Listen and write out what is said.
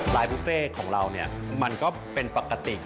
รายบุฟเฟ่ของเรามันก็เป็นปกติ